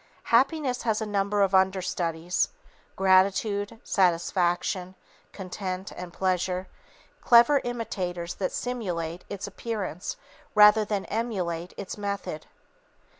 Happiness has a number of under studies, gratification, satisfaction, content, and pleasure, clever imitators that simulate its appearance rather than emulate its method.